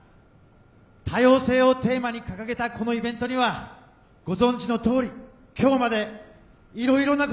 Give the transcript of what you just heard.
「多様性」をテーマに掲げたこのイベントにはご存じのとおり今日までいろいろなことがありました。